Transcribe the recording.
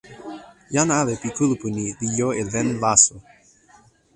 jan ale pi kulupu ni li jo e len laso.